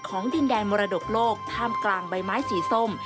ดินแดนมรดกโลกท่ามกลางใบไม้สีส้ม